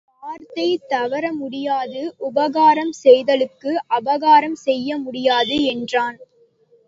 வார்த்தை தவற முடியாது உபகாரம் செய்தலுக்கு அபகாரம் செய்ய முடியாது என்றான்.